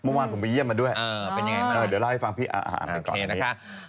เมื่อวานผมไปเยี่ยมมาด้วยเดี๋ยวเล่าให้ฟังพี่อาหารไปก่อนครับพี่